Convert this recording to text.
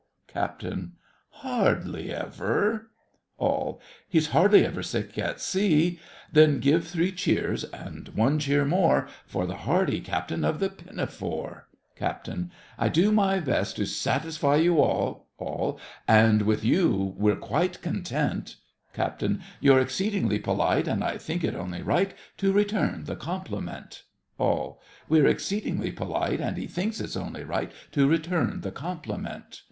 CAPT. Hardly ever! ALL. He's hardly ever sick at seal Then give three cheers, and one cheer more, For the hardy Captain of the Pinafore! CAPT. I do my best to satisfy you all— ALL. And with you we're quite content. CAPT. You're exceedingly polite, And I think it only right To return the compliment. ALL. We're exceedingly polite, And he thinks it's only right To return the compliment.